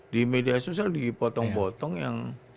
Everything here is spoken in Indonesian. di media sosial dipotong potong yang